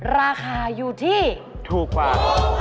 ราคาอยู่ที่ถูกกว่า